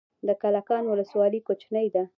د کلکان ولسوالۍ کوچنۍ ده